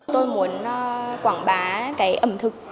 tôi muốn quảng bá cái ẩm thực